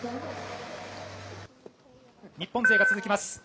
日本勢が続きます。